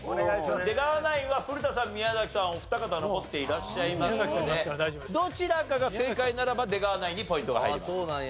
出川ナインは古田さん宮崎さんお二方残っていらっしゃいますのでどちらかが正解ならば出川ナインにポイントが入ります。